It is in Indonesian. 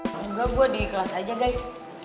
semoga gua di kelas aja guys